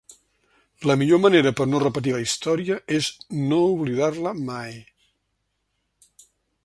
La millor manera per no repetir la història és no oblidar-la mai.